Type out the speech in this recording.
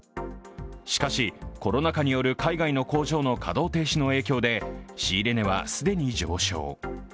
しかし、コロナ禍による海外の工場の稼働停止の影響で仕入れ値は既に上昇。